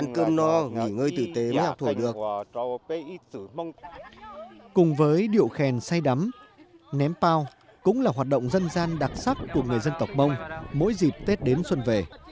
cùng với điệu khen say đắm ném pao cũng là hoạt động dân gian đặc sắc của người dân tộc mông mỗi dịp tết đến xuân về